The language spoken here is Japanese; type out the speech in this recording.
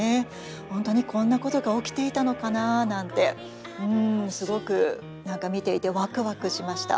本当にこんなことが起きていたのかななんてすごく何か見ていてワクワクしました。